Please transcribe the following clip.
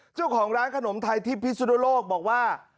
เจ้าของร้านขนมไทยที่พิสุนโลกบอกว่า